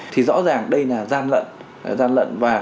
thì rõ ràng đây là gian lận